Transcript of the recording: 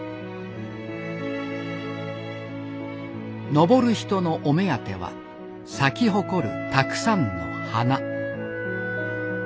登る人のお目当ては咲き誇るたくさんの花。